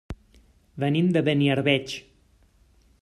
Venim de Beniarbeig.